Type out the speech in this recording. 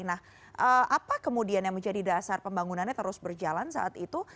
nah apa kemudian yang menjadi dasar pembangunannya terus berjalan saat itu